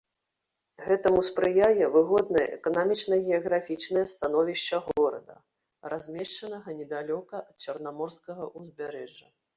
Гэтаму спрыяе выгоднае эканоміка-геаграфічнае становішча горада, размешчанага недалёка ад чарнаморскага ўзбярэжжа.